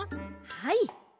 はい。